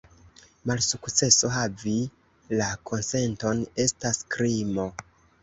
Malsukceso havi la konsenton estas krimo.